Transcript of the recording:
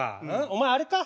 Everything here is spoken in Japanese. お前あれか？